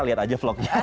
lihat aja vlognya